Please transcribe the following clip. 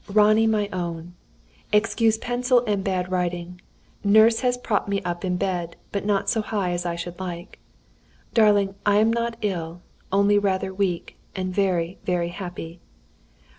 "Ronnie, my own! "Excuse pencil and bad writing. Nurse has propped me up in bed, but not so high as I should like. "Darling, I am not ill, only rather weak, and very, very happy.